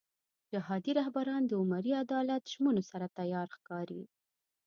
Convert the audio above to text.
جهادي رهبران د عمري عدالت ژمنو سره تیار ښکاري.